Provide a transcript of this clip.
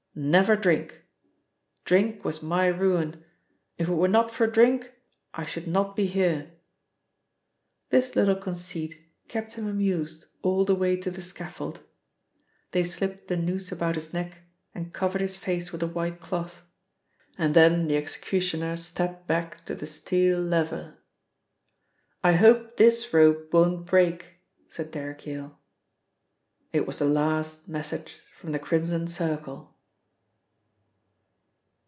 Never drink. Drink was my ruin! If it were not for drink I should not be here!" This little conceit kept him amused all the way to the scaffold. They slipped the noose about his neck and covered his face with a white cloth, and then the executioner stepped back to the steel lever. "I hope this rope won't break," said Derrick Yale. It was the last message from the Crimson Circle.